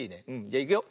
じゃいくよ。